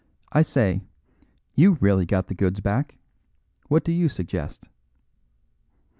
I say, you really got the goods back, what do you suggest?"